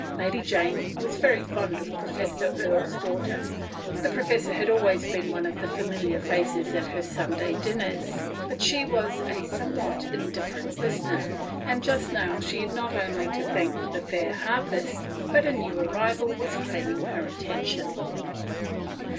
Lady Jane was very fond of Professor Erie's daughter — the professor had always been one of the familiar faces at her Sunday dinners — but she was a somewhat indifferent listener, and just now she had not only to thank the fair harpist — but a new arrival was claiming her attention.